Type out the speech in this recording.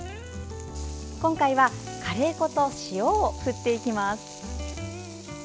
今回は、カレー粉と塩を振っていきます。